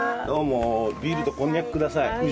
どうもビールとこんにゃくください。